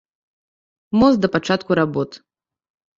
Мост да пачатку работ.